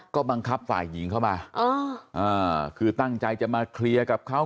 ก็บังคับฝ่ายหญิงเข้ามาคือตั้งใจจะมาเคลียร์กับเขา